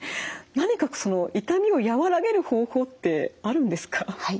何かその痛みを和らげる方法ってあるんですか？